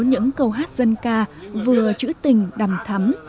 những câu hát dân ca vừa chữ tình đầm thắm